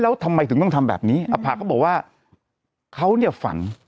แล้วทำไมถึงต้องทำแบบนี้อภะก็บอกว่าเขาเนี่ยฝัน